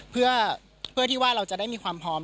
เพื่อที่ว่าเราจะได้มีความพร้อม